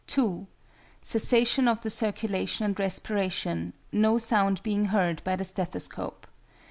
(2) Cessation of the circulation and respiration, no sound being heard by the stethoscope.